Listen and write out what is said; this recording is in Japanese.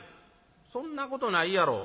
「そんなことないやろ。